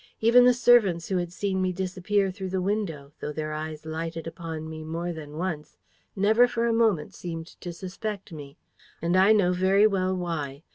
Even the servants who had seen me disappear through the window, though their eyes lighted upon me more than once, never for a moment seemed to suspect me. And I know very well why.